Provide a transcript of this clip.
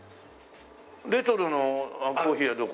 レトロのコーヒー屋はどこ？